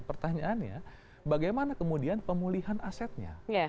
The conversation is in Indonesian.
pertanyaannya bagaimana kemudian pemulihan asetnya